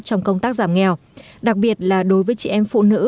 trong công tác giảm nghèo đặc biệt là đối với chị em phụ nữ